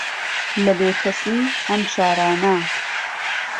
لە بێکەسی ئەم شارانە